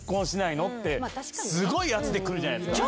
すごい圧でくるじゃないですか。